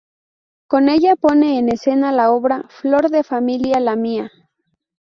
Con ella pone en escena la obra "¡Flor de familia la mía!